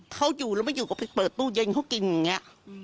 เขาอยู่แล้วไม่อยู่ก็ไปเปิดตู้เย็นเขากินอย่างนี้